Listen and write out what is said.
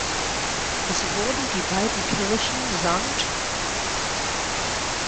Es wurden die beiden Kirchen „St.